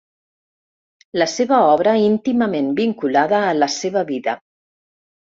La seva obra íntimament vinculada a la seva vida.